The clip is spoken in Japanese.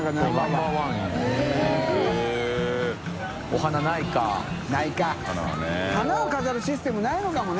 花を飾るシステムないのかもね。